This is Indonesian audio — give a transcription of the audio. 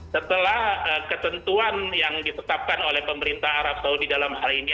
setelah ketentuan yang ditetapkan oleh pemerintah arab saudi dalam hal ini